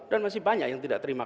dan masih banyak yang tidak terima